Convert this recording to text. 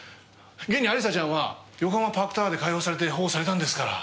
現に亜里沙ちゃんは横浜パークタワーで解放されて保護されたんですから。